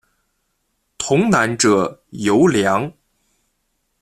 童男者尤良。